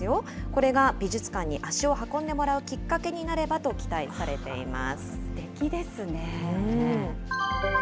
これが美術館に足を運んでもらうきっかけになればと期待されていすてきですね。